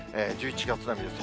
１１月並みです。